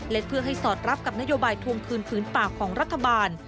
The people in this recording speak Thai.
และเพื่อให้สอดรับกับนโยบายทวงคืนผืนป่าของรัฐบาล